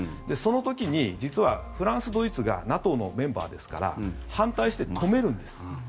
その時に実はフランス、ドイツがＮＡＴＯのメンバーですから反対して、止めるんです。